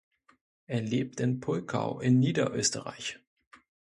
Er lebt in Pulkau in Niederösterreich.